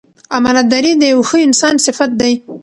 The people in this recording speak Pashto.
امانتداري د یو ښه انسان صفت دی.